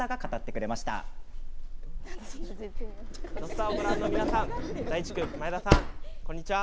「土スタ」をご覧の皆さん大地君、前田さん、こんにちは。